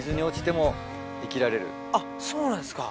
あっそうなんですか。